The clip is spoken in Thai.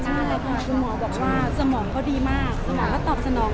ใช่ค่ะคุณหมอบอกว่าสมองเขาดีมากสมองก็ตอบสนอง